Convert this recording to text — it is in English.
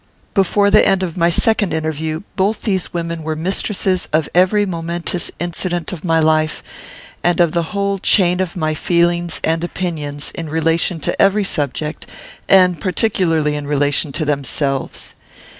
Before the end of my second interview, both these women were mistresses of every momentous incident of my life, and of the whole chain of my feelings and opinions, in relation to every subject, and particularly in relation to themselves.